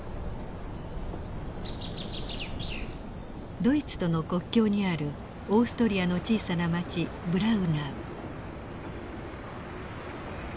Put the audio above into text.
ドイツとの国境にあるオーストリアの小さな町ブラウナウ。